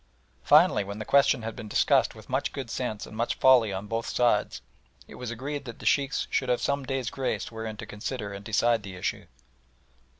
Finally, when the question had been discussed with much good sense and much folly on both sides, it was agreed that the Sheikhs should have some days' grace wherein to consider and decide the issue.